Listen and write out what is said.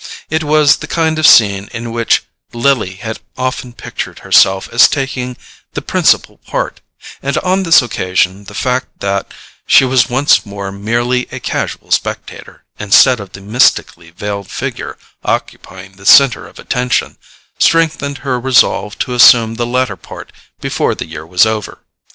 It was the kind of scene in which Lily had often pictured herself as taking the principal part, and on this occasion the fact that she was once more merely a casual spectator, instead of the mystically veiled figure occupying the centre of attention, strengthened her resolve to assume the latter part before the year was over.